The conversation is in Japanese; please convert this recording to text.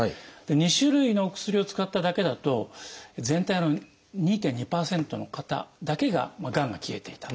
２種類のお薬を使っただけだと全体の２．２％の方だけががんが消えていたと。